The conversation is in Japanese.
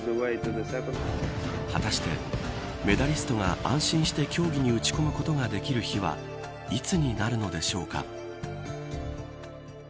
果たしてメダリストが安心して競技に打ち込むことができる日はいつになるのでしょうか。